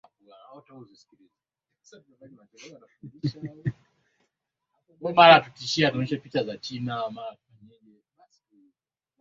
katika anganje ikafaulu kupeleka watu wa kwanza Kutokana na